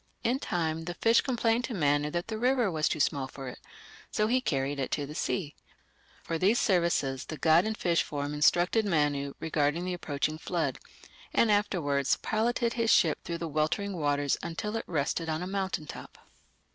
In time the fish complained to Manu that the river was too small for it, so he carried it to the sea. For these services the god in fish form instructed Manu regarding the approaching flood, and afterwards piloted his ship through the weltering waters until it rested on a mountain top.